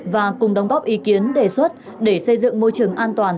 và cùng đóng góp ý kiến đề xuất để xây dựng môi trường an toàn